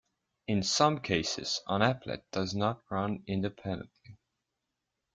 In some cases, an applet does not run independently.